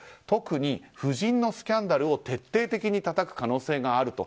特に夫人のスキャンダルを徹底的にたたく可能性がある。